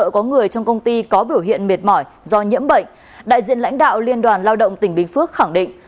có người trong công ty có biểu hiện mệt mỏi do nhiễm bệnh đại diện lãnh đạo liên đoàn lao động tỉnh bình phước khẳng định